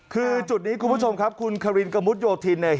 คือจุดนี้คุณผู้ชมครับคุณคารินกระมุดโยธินเนี่ย